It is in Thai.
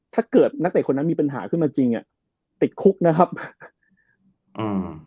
ถ้าเกิดนักเตะคนนั้นมีปัญหาขึ้นมาจริงอ่ะติดคุกนะครับอืม